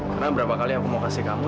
karena berapa kali aku mau kasih kamu